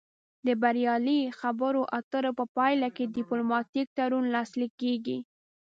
د بریالۍ خبرو اترو په پایله کې ډیپلوماتیک تړون لاسلیک کیږي